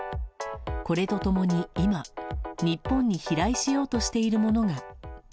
これと共に今、日本に飛来しようとしているものが。